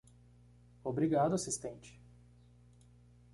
Obrigado assistente